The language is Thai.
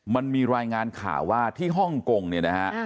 มันมีรายงานข่าวว่าที่ฮ่องกงเนี่ยนะฮะ